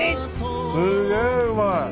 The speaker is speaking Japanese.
すげぇうまい！